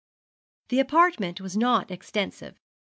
The apartment was not extensive.